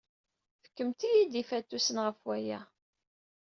Fkemt-iyi-d ifatusen ɣef waya.